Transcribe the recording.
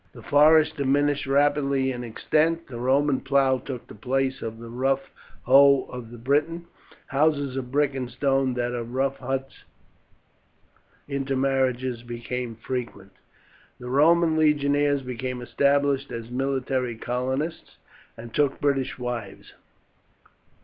The forest diminished rapidly in extent; the Roman plough took the place of the rough hoe of the Briton, houses of brick and stone that of rough huts; intermarriages became frequent. The Roman legionaries became established as military colonists and took British wives.